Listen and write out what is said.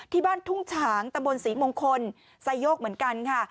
ที่บ้านทุ่งฉางตำบลศรีมงคลไซโยกเหมือนกันค่ะ